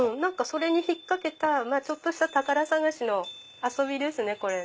それに引っ掛けたちょっとした宝探しの遊びですね。